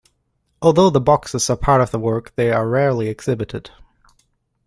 Although the boxes are part of the work, they are rarely exhibited.